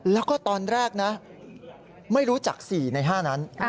แล้วก็ตอนแรกนะไม่รู้จัก๔ใน๕นั้น